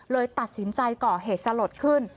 ตัดสินใจก่อเหตุสลดขึ้น